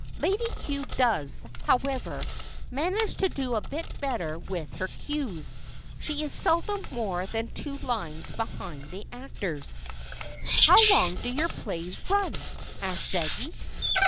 Lady Cue does, however, manage to do a bit better with her cues. She is seldom more than two lines behind the actors." "How long do your plays run?" asked Shaggy.